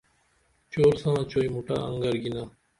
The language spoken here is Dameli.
چور ساں چوعی مُٹہ انگرگینا